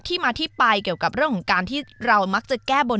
มาที่ไปเกี่ยวกับเรื่องของการที่เรามักจะแก้บน